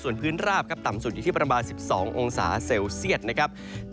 ส่วนพื้นราบครับต่ำสุดอยู่ที่ประมาณ๑๒องศาเซลเซียตนะครับ